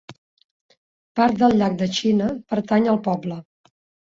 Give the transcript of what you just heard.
Part del llac de China pertany al poble.